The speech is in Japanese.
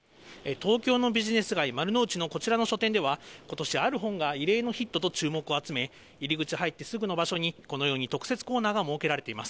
東京のビジネス街、丸の内のこちらの書店では、ことし、ある本が異例のヒットと注目を集め、入り口入ってすぐの場所に、このように特設コーナーが設けられています。